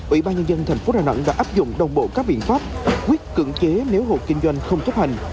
ủy ban nhân dân tp đà nẵng đã áp dụng đồng bộ các biện pháp quyết cưỡng chế nếu hộ kinh doanh không chấp hành